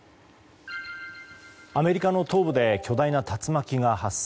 アメリカの東部で巨大な竜巻が発生。